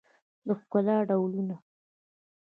د ښکلا ډولونه